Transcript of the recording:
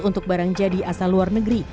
untuk barang jadi asal luar negeri